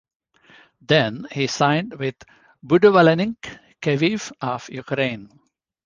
Then he signed with Budivelnyk Kyiv of Ukraine.